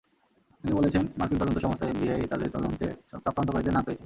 তিনি বলেছেন, মার্কিন তদন্ত সংস্থা এফবিআই তাদের তদন্তে চক্রান্তকারীদের নাম পেয়েছে।